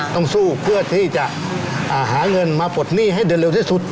ต้องสู้เพื่อที่จะหาเงินมาปลดหนี้ให้ได้เร็วที่สุด